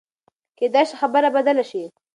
کېدای شي خبره بدله شي.